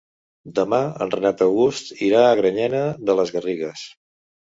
Demà en Renat August irà a Granyena de les Garrigues.